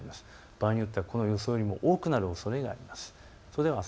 場合によってはこの予想よりも多くなるおそれがあります。